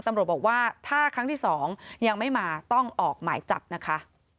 ตำรวจบอกว่าถ้าครั้งที่๒ยังไม่มาต้องออกหมายจับนะคะ